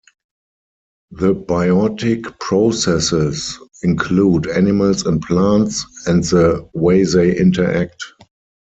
The biotic processes include animals and plants and the way they interact.